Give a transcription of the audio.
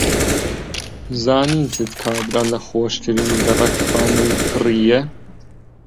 زانیتت کابرا لە خۆشترین گەڕەک خانووی کڕییە.